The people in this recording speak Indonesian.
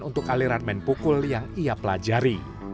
untuk aliran main pukul yang ia pelajari